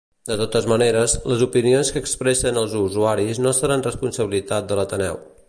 De totes maneres, les opinions que expressen els usuaris no seran responsabilitat de l'Ateneu.